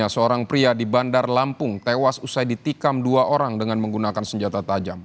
seorang pria di bandar lampung tewas usai ditikam dua orang dengan menggunakan senjata tajam